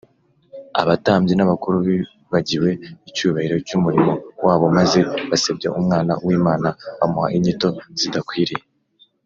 abatambyi n’abakuru bibagiwe icyubahiro cy’umurimo wabo, maze basebya umwana w’imana bamuha inyito zidakwiriye